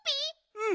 うん。